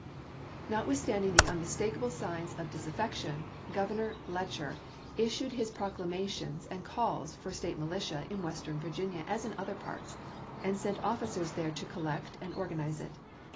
Notwithstanding the unmistakable signs of dis affection, Grovernor Letcher issued his proclama tions and calls for State militia in Western Virginia as in other parts, and sent officers there to collect and organize it.